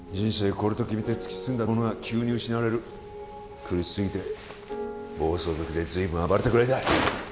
これと決めて突き進んだものが急に失われる苦しすぎて暴走族で随分暴れたぐらいだ